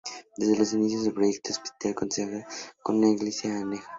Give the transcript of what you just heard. Desde los inicios del proyecto el Hospital constaba de una Iglesia aneja.